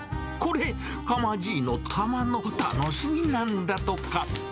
これ、かまじいのたまの楽しみなんだとか。